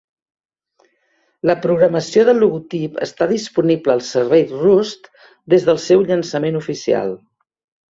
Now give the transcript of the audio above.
La programació de logotip està disponible al servei Roost des del seu llançament oficial.